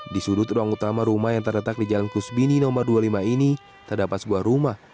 di sudut ruang utama rumah yang terletak di jalan kusbini nomor dua puluh lima ini terdapat sebuah rumah